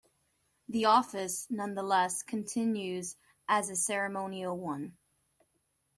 The office, nonetheless, continues as a ceremonial one.